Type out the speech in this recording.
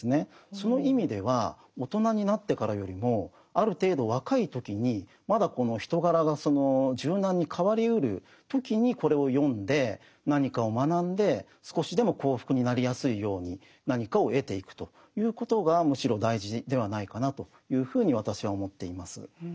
その意味では大人になってからよりもある程度若い時にまだこの人柄が柔軟に変わりうる時にこれを読んで何かを学んで少しでも幸福になりやすいように何かを得ていくということがむしろ大事ではないかなというふうに私は思っています。